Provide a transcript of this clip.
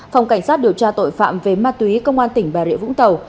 phòng cảnh sát điều tra tội phạm về ma túy công an tỉnh bà rịa vũng tàu